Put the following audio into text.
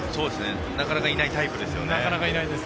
なかなかいないタイプですね。